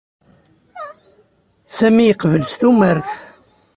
Sami yeqbel s tumert.